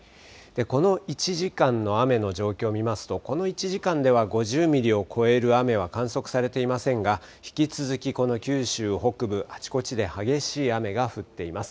この１時間の雨の状況を見ますと、この１時間では５０ミリを超える雨は観測されていませんが、引き続きこの九州北部、あちこちで激しい雨が降っています。